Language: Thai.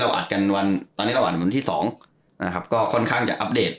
อัดกันวันตอนนี้ระหว่างวันที่๒นะครับก็ค่อนข้างจะอัปเดต